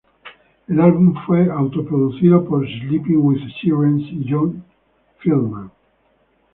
El álbum fue auto-producido por Sleeping With Sirens y John Feldmann.